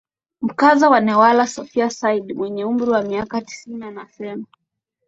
Mkazi wa Newala Sophia Saidi mwenye umri wa miaka tisini anasema